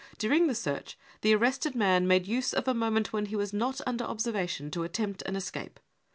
During the search the arrested man made use of a moment when he was not under observation to attempt an escape.